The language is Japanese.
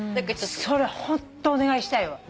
それホントお願いしたいわ。